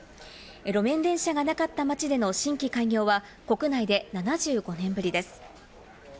路面電車がなかった街での新規開業は国内で７５年ぶりです。